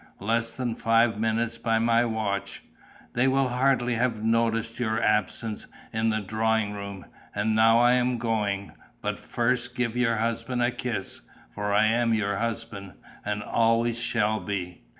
Less than five minutes by my watch. They will hardly have noticed your absence in the drawing room. And now I'm going; but first give your husband a kiss, for I am your husband ... and always shall be."